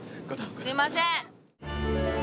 すいません。